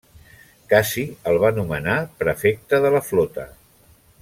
Cassi el va nomenar prefecte de la flota.